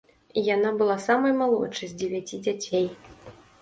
Яна была самай малодшай з дзевяці дзяцей.